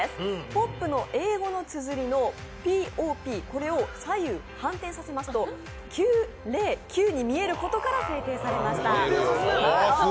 ポップの英語のつづりのＰＯＰ、これを左右反転させますと９０９に見えることから制定されました。